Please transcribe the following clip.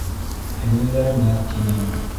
«Һеңлеләремә», тинем.